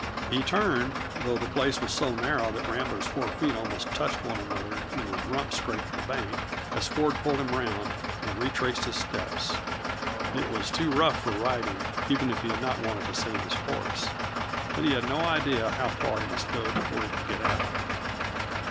He turned, though the place was so narrow that Rambler's four feet almost touched one another and his rump scraped the bank, as Ford pulled him round, and retraced his steps. It was too rough for riding, even if he had not wanted to save the horse, and he had no idea how far he must go before he could get out.